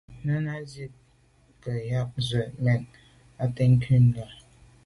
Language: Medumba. Náná gə̀ sɔ̌k ndzwə́ mɛ̀n zə̄ á tɛ̌n krút jùp bà’.